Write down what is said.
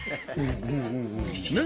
ねっ？